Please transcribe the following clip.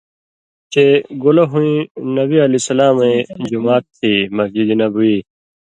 چےۡ گولہ ہُوۡیں نبیؐ ایں جُماتھ تھی (مسجد نبوی)۔